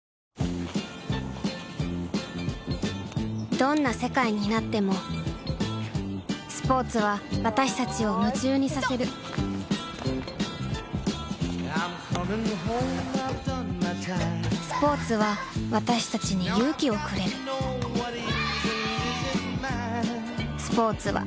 どんな世界になってもスポーツは私たちを夢中にさせるスポーツは私たちに勇気をくれるスポーツは私たちに希望をくれる